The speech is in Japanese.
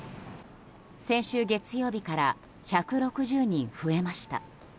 先週月曜日から１６０人増えました。